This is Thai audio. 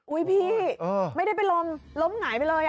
อุ๊ยพี่ไม่ได้ไปล้มล้มไหงไปเลย